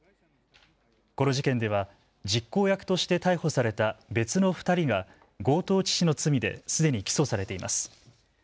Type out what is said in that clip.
この事件では実行役として逮捕された別の２人が強盗致死の罪ですでに起訴されています。